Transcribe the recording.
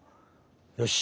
よし！